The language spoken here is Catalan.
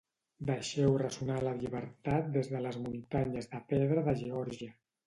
Deixeu ressonar la llibertat des de les muntanyes de pedra de Geòrgia.